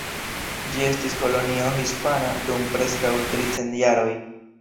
Ĝi estis kolonio hispana dum preskaŭ tricent jaroj.